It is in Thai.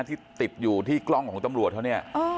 ที่ติดอยู่ที่กล้องของตำรวจเขาเนี่ย